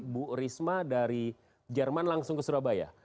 bu risma dari jerman langsung ke surabaya